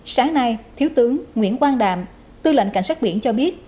sáng nay thiếu tướng nguyễn quang đàm tư lệnh cảnh sát biển cho biết